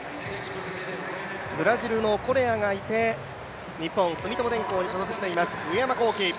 ブラジルのコレアがいて、日本、住友電工に所属しています上山紘輝。